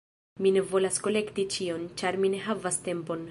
Mi ne volas kolekti ĉion, ĉar mi ne havas tempon.